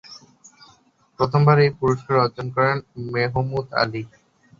প্রথমবার এই পুরস্কার অর্জন করেন মেহমুদ আলি।